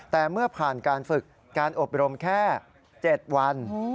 แต่เมื่อผ่านการฝึกการอบรมแค่๗วัน